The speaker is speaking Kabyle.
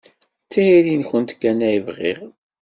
D tayri-nwent kan ay bɣiɣ.